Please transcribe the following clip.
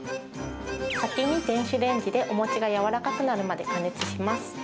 先に電子レンジで、お餅が柔らかくなるまで加熱します。